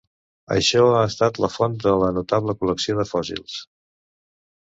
Això ha estat la font de la notable col·lecció de fòssils.